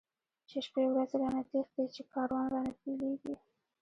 چی شپی ورځی را نه تښتی، چی کاروان را نه بیلیږی